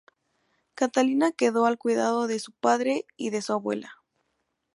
Catalina quedó al cuidado de su padre y de su abuela.